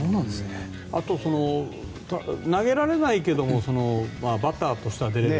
あと、投げられないけどバッターとしては出れる。